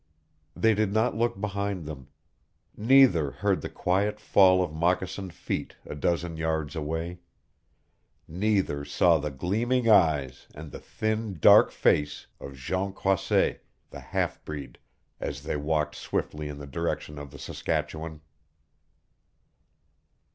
They did not look behind them. Neither heard the quiet fall of moccasined feet a dozen yards away. Neither saw the gleaming eyes and the thin, dark face of Jean Croisset, the half breed, as they walked swiftly in the direction of the Saskatchewan.